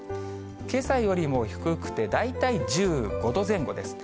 けさよりも低くて、大体１５度前後です。